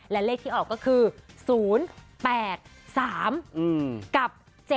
และเลขที่ออกก็คือ๐๘๓กับ๗๗